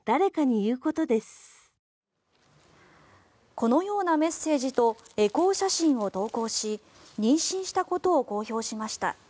このようなメッセージとエコー写真を投稿し妊娠したことを公表しました。